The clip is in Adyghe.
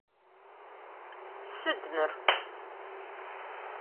Sıd mır?